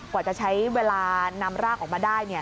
กว่าจะใช้เวลานำร่างออกมาได้